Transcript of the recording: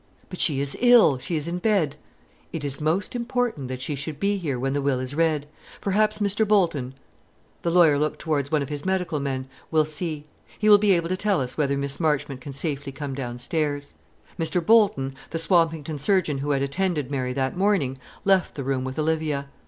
"But she is ill; she is in bed." "It is most important that she should be here when the will is read. Perhaps Mr. Bolton" the lawyer looked towards one of the medical men "will see. He will be able to tell us whether Miss Marchmont can safely come downstairs." Mr. Bolton, the Swampington surgeon who had attended Mary that morning, left the room with Olivia.